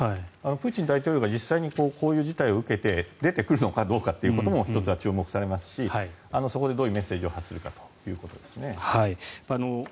プーチン大統領が実際にこういう事態を受けて出てくるのかどうかということも１つ、注目されますがそこでどういうメッセージを発するかですね。